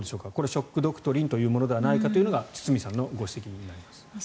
ショック・ドクトリンというものではないかというのが堤さんのご指摘になります。